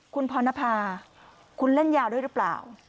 คุณพรณภาคุณเล่นยาด้วยหรือเปล่า